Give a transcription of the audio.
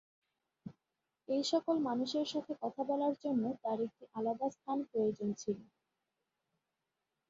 এইসকল মানুষের সাথে কথা বলার জন্য তার একটি আলাদা স্থান প্রয়োজন ছিলো।